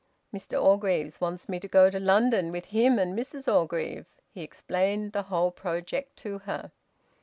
"Mr Orgreave wants me to go to London with him and Mrs Orgreave." He explained the whole project to her.